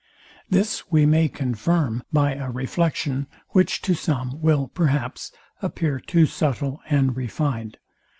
This we may confirm by a reflection, which to some will, perhaps, appear too subtile and refined.